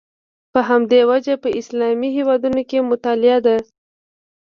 په همدې وجه په اسلامي هېوادونو کې مطالعه ده.